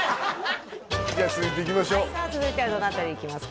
じゃあ続いていきましょうさあ続いてはどの辺りいきますか？